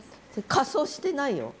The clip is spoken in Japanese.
仮装してないよ。